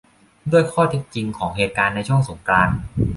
ด้วยข้อเท็จจริงของเหตุการณ์ในช่วงสงกรานต์